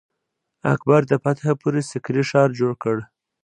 اکبر د فتح پور سیکري ښار جوړ کړ.